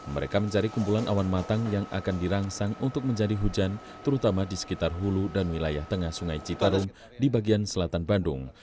mereka mencari kumpulan awan matang yang akan dirangsang untuk menjadi hujan terutama di sekitar hulu dan wilayah tengah sungai citarum di bagian selatan bandung